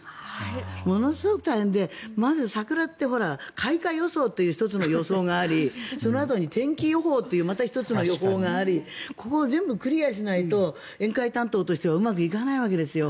ものすごく大変でまず、桜って開花予想っていう１つの予想がありそのあとに天気予報というまた１つの予報がありここを全部クリアしないと宴会担当としてはうまくいかないわけですよ。